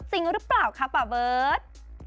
จริงหรือเปล่าครับอ่ะเวิร์ด